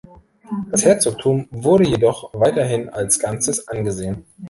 Das Herzogtum wurde jedoch weiterhin als Ganzes angesehen.